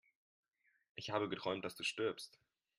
Ich habe geträumt, dass du stirbst